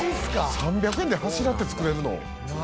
「３００円で柱って作れるの？」